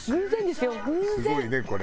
すごいねこれ。